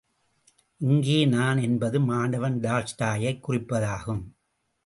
இங்கே நான் என்பது மாணவன் டால்ஸ்டாயைக் குறிப்பதாகும்.